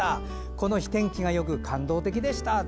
この日、天気がよく感動的でした。